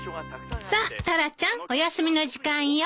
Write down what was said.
さあタラちゃんおやすみの時間よ。